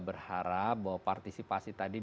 berharap bahwa partisipasi tadi